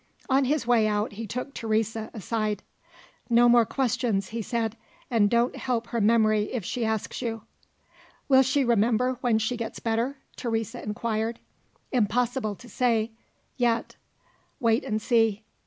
On his way out, he took Teresa aside. "No more questions," he said "and don't help her memory if she asks you." "Will she remember, when she gets better?" Teresa inquired. "Impossible to say, yet. Wait and see."